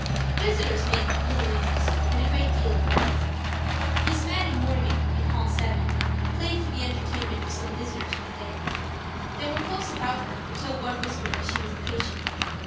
Visitors make but little interest and a great deal of mirth. Miss Mattie Morgan, in hall 7, played for the entertainment of some visitors one day. They were close about her until one whispered that she was a patient.